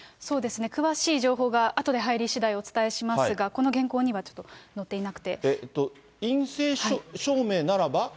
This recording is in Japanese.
そうですね、詳しい情報があとで入りしだいお伝えしますが、この原稿にはちょ陰性証明ならば？